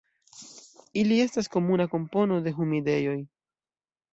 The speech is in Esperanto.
Ili estas komuna kompono de humidejoj.